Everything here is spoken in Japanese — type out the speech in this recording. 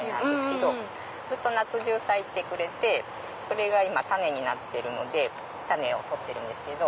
ずっと夏中咲いてくれてそれが今種になってるので種を取ってるんですけど。